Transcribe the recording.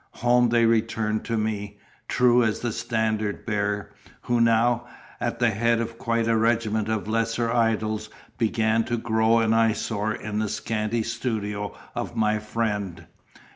Home they returned to me, true as the Standard Bearer; who now, at the head of quite a regiment of lesser idols, began to grow an eyesore in the scanty studio of my friend.